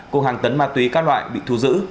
cùng hàng tấn ma túy các loại bị thu giữ